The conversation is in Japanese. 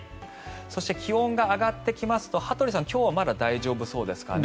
そして気温が上がってきますと羽鳥さん、まだ今日は大丈夫そうですかね？